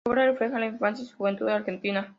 Su obra refleja la infancia y juventud argentina.